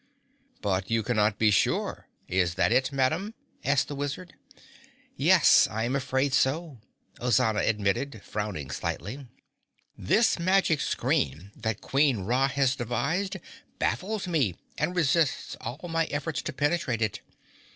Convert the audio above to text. "But you cannot be sure. Is that it, Ma'am?" asked the Wizard. "Yes, I am afraid so," Ozana admitted, frowning slightly. "This magic screen that Queen Ra has devised baffles me and resists all my efforts to penetrate it.